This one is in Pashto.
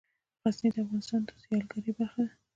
غزني د افغانستان د سیلګرۍ برخه ده.